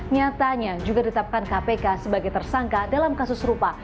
nyatanya juga ditetapkan kpk sebagai tersangka dalam kasus serupa